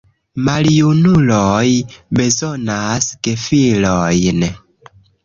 Maljunuloj bezonas gefilojn.